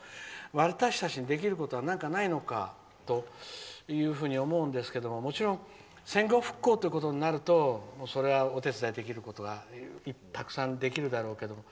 私たちにできることは何かないのかと思うんですけどもちろん、戦後復興ということになるとそれはたくさんお手伝いできるだろうけども。